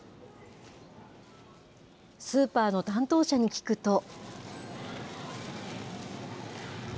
スーパーの担当者に聞くと。